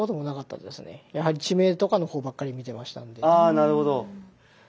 あなるほど。